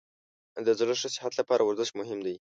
د زړه ښه صحت لپاره ورزش مهم دی.